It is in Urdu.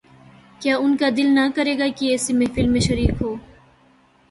کیا ان کا دل نہ کرے گا کہ ایسی محفل میں شریک ہوں۔